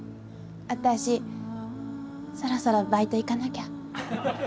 私そろそろバイト行かなきゃ。